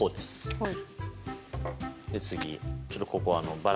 はい。